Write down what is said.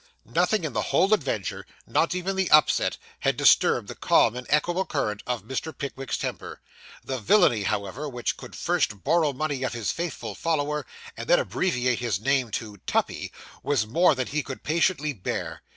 Nothing in the whole adventure, not even the upset, had disturbed the calm and equable current of Mr. Pickwick's temper. The villainy, however, which could first borrow money of his faithful follower, and then abbreviate his name to 'Tuppy,' was more than he could patiently bear.